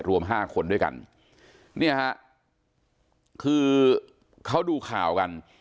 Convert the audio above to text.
รวมห้าคนด้วยกันเนี่ยฮะคือเขาดูข่าวกัน